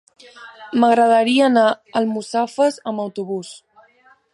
M'agradaria anar a Almussafes amb autobús.